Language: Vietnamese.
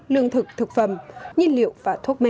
lương thực thực phẩm nhiên liệu và thuốc men